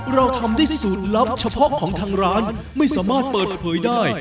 เราทำได้ที่สูตรลับเฉพาะของทางร้านไม่สามารถเปิดเผยได้